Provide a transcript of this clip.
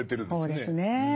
そうですね。